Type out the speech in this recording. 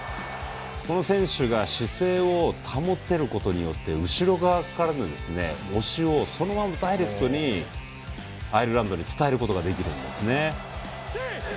この選手が姿勢を保っていることによって後ろ側からの押しをそのままダイレクトにアイルランドに伝えることができるんですね。